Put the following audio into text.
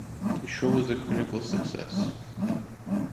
The show was a critical success.